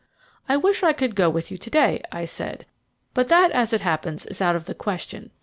"I wish I could go with you to day," I said; "but that, as it happens, is out of the question.